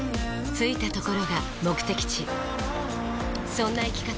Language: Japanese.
着いたところが目的地そんな生き方